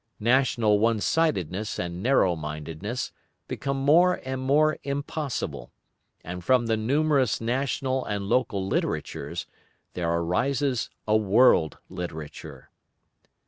National one sidedness and narrow mindedness become more and more impossible, and from the numerous national and local literatures, there arises a world literature.